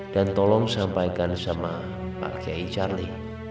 dan tolong sampaikan sama pak kiai charlie